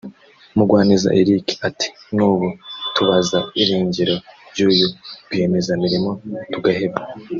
Mugwaneza Eric ati “N’ubu tubaza irengero ry’uyu rwiyemezamirimo tugaheba